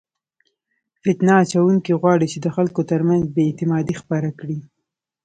فتنه اچونکي غواړي چې د خلکو ترمنځ بې اعتمادي خپره کړي.